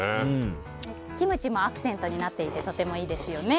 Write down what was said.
キムチもアクセントになっててとてもいいですよね。